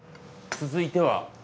続いては。